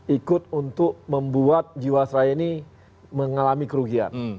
ikut untuk membuat jiwasraya ini mengalami kerugian